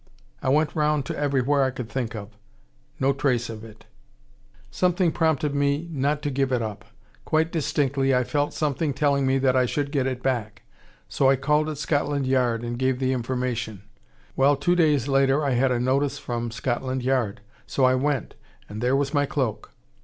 I went round to everywhere I could think of: no trace of it. But I didn't give it up. Something prompted me not to give it up: quite distinctly, I felt something telling me that I should get it back. So I called at Scotland Yard and gave the information. Well, two days later I had a notice from Scotland Yard, so I went. And there was my cloak.